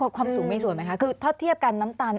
ความสูงมีส่วนไหมคะคือถ้าเทียบกันน้ำตาล